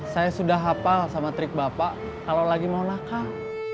saya sudah hafal sama trik bapak kalau lagi mau nakal